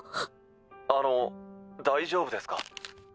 あの大丈夫ですか？